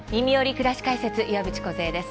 くらし解説」岩渕梢です。